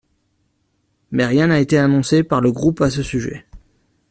Mais rien n'a été annoncé par le groupe à ce sujet.